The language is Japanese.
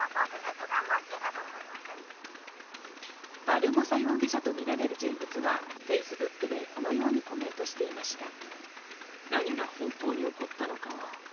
バルボサ容疑者とみられる人物はＦａｃｅｂｏｏｋでこのようにコメントしていました。